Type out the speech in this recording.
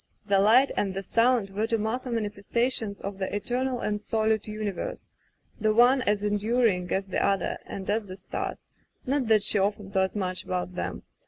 The Light and the Sound were to Martha mani festations of the eternal and solid universe, the one as enduring as the other and as the stars — ^not that she often thought much about them.